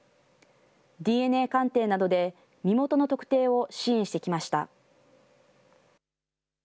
ＤＮＡ鑑定などで身元の特定を支援してきました。